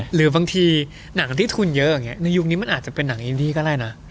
หรือบางทีหนังที่ทุนเยอะอย่างนี้ในยุคนี้มันอาจจะเป็นหนังอินดี้ก็ได้นะ